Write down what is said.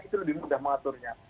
itu lebih mudah mengaturnya